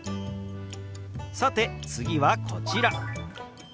さて次はこちら。